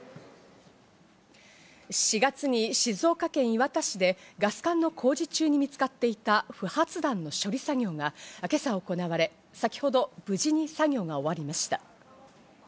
４月に静岡県磐田市でガス管の工事中に見つかっていた不発弾の処理作業が今朝行われ、先ほど無事に作業が終わりました。